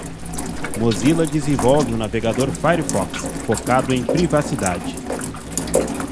Mozilla desenvolve o navegador Firefox, focado em privacidade.